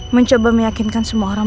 mencoba meyakinkan semua orang